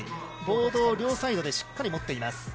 ボードを両サイドでしっかり持っています。